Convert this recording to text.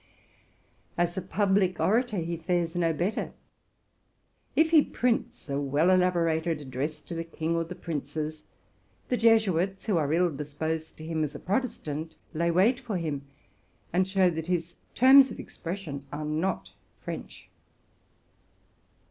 As a public orator he fares no better. If he prints a well elaborated address to the king or the princes, the Jesuits, who are ill disposed to him as a Protestant, lay wait for him, and show that his terms of expression are '' not French.